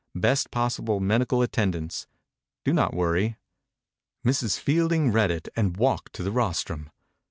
Best possible medical attendance. Do not worry." Mrs. Fielding read it and walked to the rostrum.